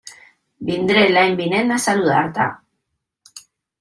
Vindré l'any vinent a saludar-te.